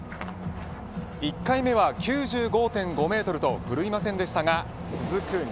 １回目は９５．５メートルと振るいませんでしたが続く